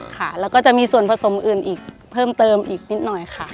ค่ะแล้วก็จะมีส่วนผสมอื่นอีกเพิ่มเติมอีกนิดหน่อยค่ะ